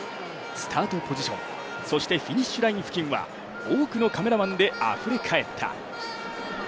スタートポジション、そしてフィニッシュライン付近は多くのカメラマンであふれかえった。